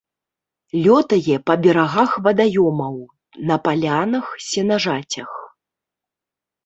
Лётае па берагах вадаёмаў, на палянах, сенажацях.